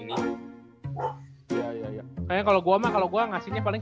kayaknya kalau gue mah kalau gue ngasihnya paling